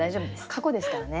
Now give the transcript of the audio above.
過去ですからね。